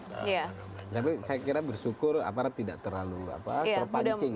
tapi saya kira bersyukur aparat tidak terlalu terpancing